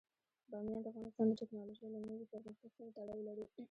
بامیان د افغانستان د تکنالوژۍ له نوي پرمختګ سره تړاو لري.